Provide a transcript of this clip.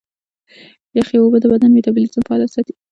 یخي اوبه د بدن میتابولیزم فعاله ساتي.